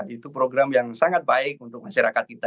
itu program yang sangat baik untuk masyarakat kita